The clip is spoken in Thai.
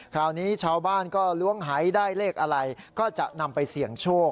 คราวนี้ชาวบ้านก็ล้วงหายได้เลขอะไรก็จะนำไปเสี่ยงโชค